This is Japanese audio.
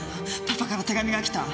パパから手紙が来た。